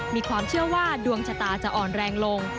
มีความเชื่อว่าดวงชะตาจะอ่อนแรงลง